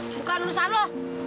bukan urusan lo